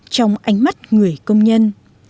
trong ánh mắt người công nhân